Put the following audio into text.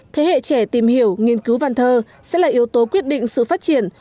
thế hệ trẻ tìm hiểu nghiên cứu văn thơ sẽ là yếu tố quyết định sự phát triển